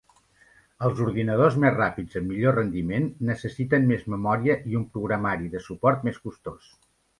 Els ordinadors més ràpids amb millor rendiment necessiten més memòria i un programari de suport més costós.